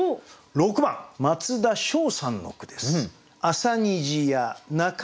６番松田翔さんの句です。